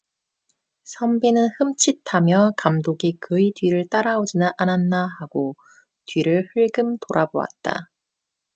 선비는 흠칫하며 감독이 그의 뒤를 따라오지나 않았나 하고 뒤를 흘금 돌아보았다.